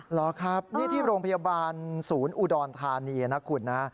เหรอครับนี่ที่โรงพยาบาลศูนย์อุดรธานีนะคุณนะ